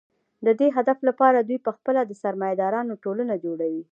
د دې هدف لپاره دوی په خپله د سرمایه دارانو ټولنه جوړوي